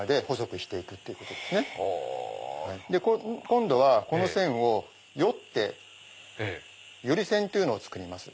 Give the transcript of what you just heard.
今度はこの線をよってより線というのを作ります。